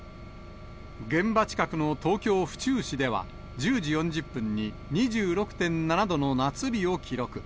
現場近くの東京・府中市では、１０時４０分に２６．７度の夏日を記録。